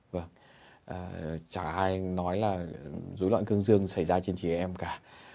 vâng chẳng ai nói là dối loạn cương dương xảy ra trên chị em cả